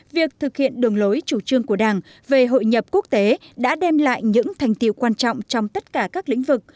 việc thực hiện đường lối chủ trương của đảng về hội nhập quốc tế đã đem lại những thành tiệu quan trọng trong tất cả các lĩnh vực